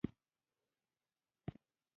د تبې د دوام لپاره د وینې معاینه وکړئ